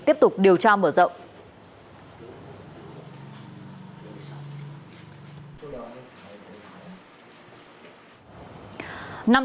tiếp tục điều tra mở rộng